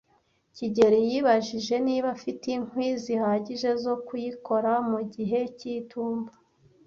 kigeli yibajije niba afite inkwi zihagije zo kuyikora mu gihe cy'itumba.